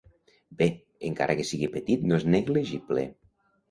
Bé, encara que sigui petit no és negligible.